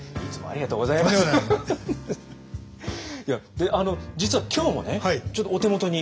で実は今日もねちょっとお手元に。